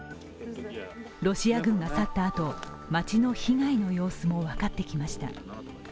ロシア軍が去ったあと、街の被害の様子も分かってきました。